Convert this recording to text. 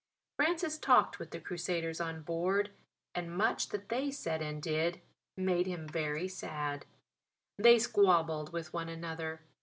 Francis talked with the Crusaders on board; and much that they said and did made him very sad. They squabbled with one another.